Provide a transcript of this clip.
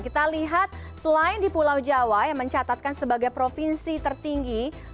kita lihat selain di pulau jawa yang mencatatkan sebagai provinsi tertinggi